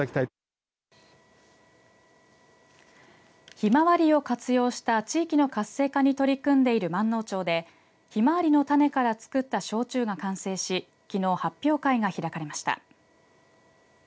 ひまわりを活用した地域の活性化に取り組んでいるまんのう町でひまわりの種から造った焼酎が完成しきのう、発表会が開かれました。